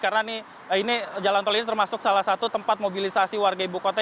karena jalan tol ini termasuk salah satu tempat mobilisasi warga ibu kota